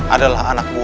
adalah anak buah